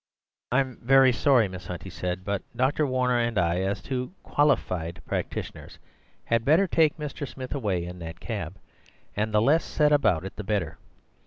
"I'm vurry sorry, Miss Hunt," he said; "but Dr. Warner and I, as two quali FIED practitioners, had better take Mr. Smith away in that cab, and the less said about it the better.